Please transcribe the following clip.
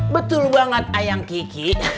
betul banget ayang kiki